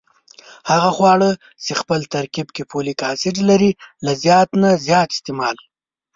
هغه خواړه چې خپل ترکیب کې فولک اسید لري له زیات نه زیات استعمال